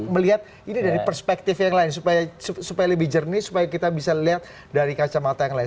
melihat ini dari perspektif yang lain supaya lebih jernih supaya kita bisa lihat dari kacamata yang lain